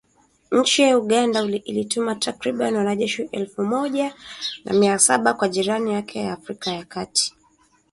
Nchi ya Uganda ilituma takribani wanajeshi elfu moja na mia saba kwa jirani yake wa Afrika ya kati